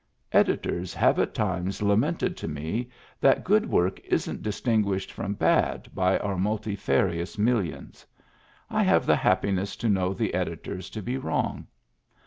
Editors have at times lamented to me that good work isn't distinguished from bad by our multifarious millions. I have the happiness to know the editors to be wrong.